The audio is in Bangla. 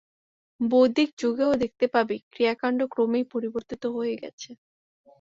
বৈদিক যুগেও দেখতে পাবি ক্রিয়াকাণ্ড ক্রমেই পরিবর্তিত হয়ে গেছে।